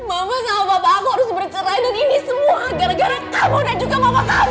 mama sama papa aku harus bercerai dan ini semua gara gara kamu dan juga mama tahu